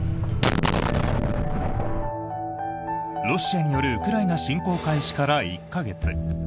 ロシアによるウクライナ侵攻開始から１か月。